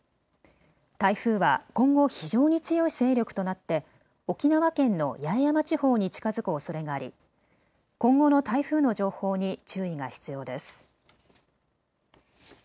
台風は今後、非常に強い勢力となって沖縄県の八重山地方に近づくおそれがあり今後の台風の情報に注意が必要です。